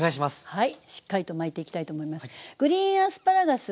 はい。